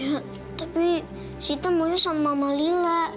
ya tapi sita mau sama mama lila